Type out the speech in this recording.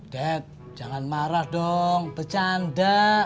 dead jangan marah dong bercanda